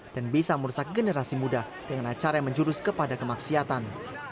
bisa merusak generasi muda dengan acara yang menjurus kepada kemaksiatan